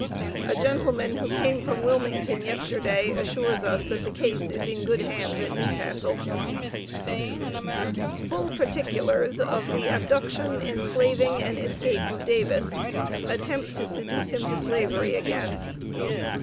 A gentleman who came from Wilmington yesterday, assures us that the case is in good hands at Newcastle. FULL PARTICULARS OF THE ABDUCTION, ENSLAVING AND ESCAPE OF DAVIS. ATTEMPT TO SEDUCE HIM TO SLAVERY AGAIN.